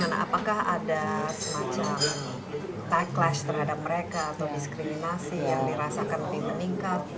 nah apakah ada semacam tagless terhadap mereka atau diskriminasi yang dirasakan lebih meningkat